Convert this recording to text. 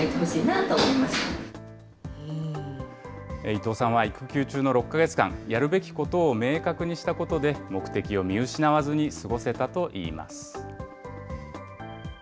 伊藤さんは育休中の６か月間、やるべきことを明確にしたことで、目的を見失わずに過ごせたといいます。